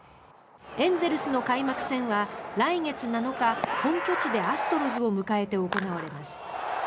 エンゼルスの開幕戦は来月７日、本拠地でアストロズを迎えて行われます。